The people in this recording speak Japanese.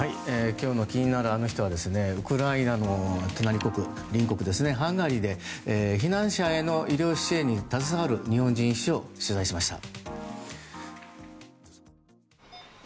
今日の気になるアノ人はウクライナの隣国ハンガリーで避難者の医療支援に携わる日本人医師を取材しました。